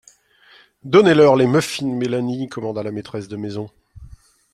«Donnez-leur les muffins, Mélanie,» commanda la maîtresse de maison.